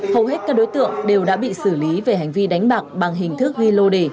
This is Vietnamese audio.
hầu hết các đối tượng đều đã bị xử lý về hành vi đánh bạc bằng hình thức ghi lô đề